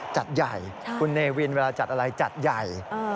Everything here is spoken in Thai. จัดใหญ่คุณเนวินเวลาจัดอะไรจัดใหญ่